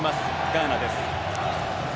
ガーナです。